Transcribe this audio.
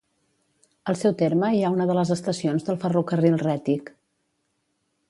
Al seu terme hi ha una de les estacions del Ferrocarril Rètic.